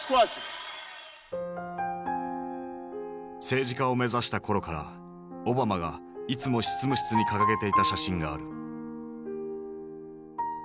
政治家を目指した頃からオバマがいつも執務室に掲げていた写真がある。